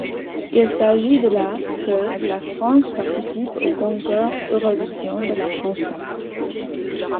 Il s'agit de la que la France participe au Concours Eurovision de la chanson.